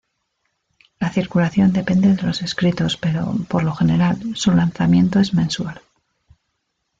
La circulación depende de los escritos pero, por lo general, su lanzamiento es mensual.